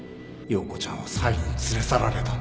葉子ちゃんはサイに連れ去られた